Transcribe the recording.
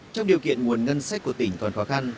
trong điều kiện nguồn ngân sách của tỉnh còn khó khăn